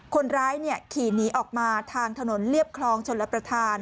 คนร้ายขี่หนีออกมาทางถนนเรียบคลองชนรับประทาน